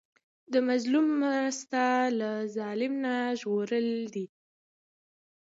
د مظلوم مرسته له ظلم نه ژغورل دي.